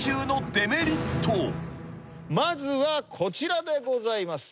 まずはこちらでございます。